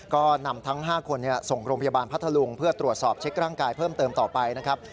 ก็นำทั้ง๕คนส่งโรงพยาบาลพัทธลุงเพื่อตรวจสอบเช็คร่างกายเพิ่มเติมต่อไปนะครับ